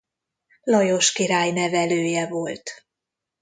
Lajos király nevelője volt.